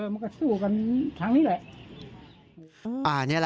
มันก็สู้กันครั้งนี้แหละ